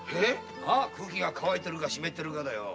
空気が乾いてるか湿ってるかだよ。